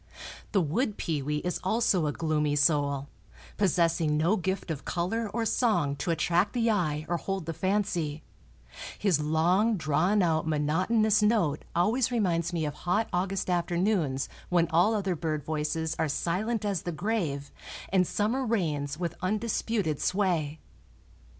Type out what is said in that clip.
The wood pewee is also a gloomy soul, possessing no gift of color or song to attract the eye or hold the fancy; his long drawn out monotonous note always reminds me of hot August afternoons when all other bird voices are silent as the grave and summer reigns with undisputed sway.